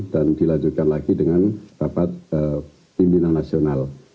dan dilanjutkan lagi dengan rapat pimpinan nasional